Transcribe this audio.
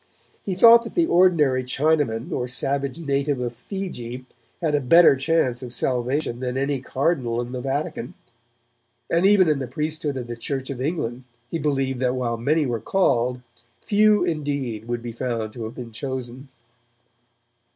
He thought that the ordinary Chinaman or savage native of Fiji had a better chance of salvation than any cardinal in the Vatican. And even in the priesthood of the Church of England he believed that while many were called, few indeed would be found to have been chosen.